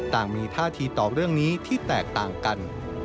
มีท่าทีตอบเรื่องนี้ที่แตกต่างกัน